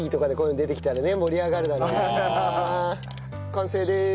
完成でーす。